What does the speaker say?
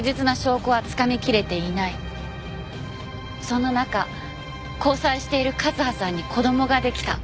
そんな中交際している和葉さんに子供ができた。